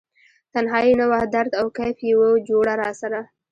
تنهایې نه وه درد او کیف یې و جوړه راسره